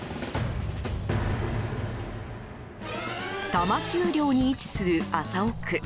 多摩丘陵に位置する麻生区。